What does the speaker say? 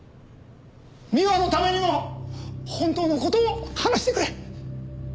美和のためにも本当の事を話してくれ！